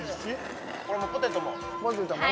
これもポテトも？